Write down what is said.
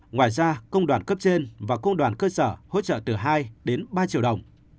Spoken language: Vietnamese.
ngoài ra công đoàn cấp trên và công đoàn cơ sở hỗ trợ từ hai đến ba triệu đồng